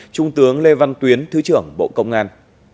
trung tướng lê văn tuyến thứ trưởng bộ công an